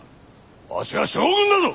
わしは将軍だぞ！